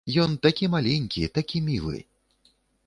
Ён такі маленькі, такі мілы.